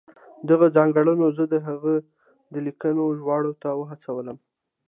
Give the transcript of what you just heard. دغو ځانګړنو زه د هغه د لیکنو ژباړې ته وهڅولم.